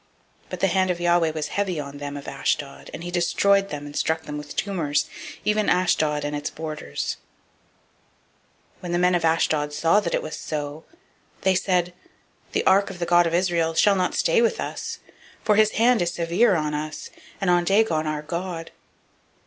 005:006 But the hand of Yahweh was heavy on them of Ashdod, and he destroyed them, and struck them with tumors, even Ashdod and the borders of it. 005:007 When the men of Ashdod saw that it was so, they said, The ark of the God of Israel shall not abide with us; for his hand is sore on us, and on Dagon our god.